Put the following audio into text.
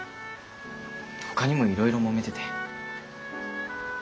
ほかにもいろいろもめてて。